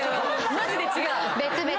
マジで違う！